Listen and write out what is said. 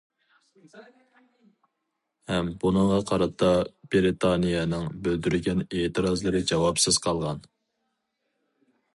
ھەم بۇنىڭغا قارىتا بىرىتانىيەنىڭ بىلدۈرگەن ئېتىرازلىرى جاۋابسىز قالغان.